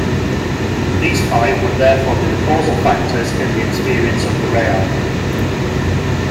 These five would therefore be the causal factors in the experience of the Real.